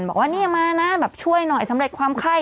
บอกว่าเนี่ยมานะแบบช่วยหน่อยสำเร็จความไข้